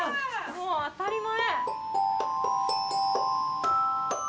もう当たり前。